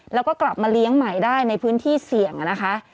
แล้วก็กลับมาเลี้ยงใหม่ได้ในพื้นที่เสี่ยงนะคะ